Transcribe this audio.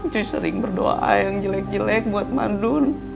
cuy sering berdoa yang jelek jelek buat madun